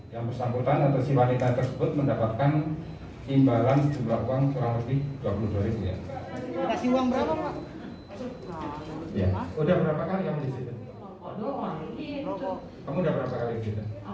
yang bersambutan atau si wanita tersebut mendapatkan imbalan sejumlah uang kurang lebih dua puluh dua ribu rupiah